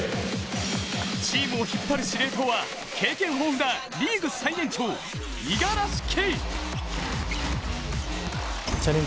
チームを引っ張る司令塔は経験豊富なリーグ最年長、五十嵐圭。